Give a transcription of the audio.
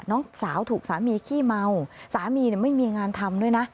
น้องสาวถูกสามีขี้เมาสามีไม่มีงานทำด้วยนะ